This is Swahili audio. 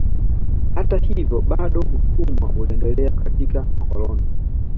Hata hivyo bado utumwa uliendelea katika makoloni